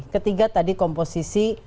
ketiga tadi komposisi